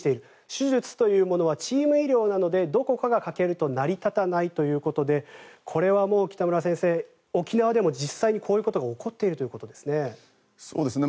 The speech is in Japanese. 手術というものはチーム医療なのでどこかが欠けると成り立たないということでこれはもう北村先生、沖縄でも実際にこういうことが起こっているということですね。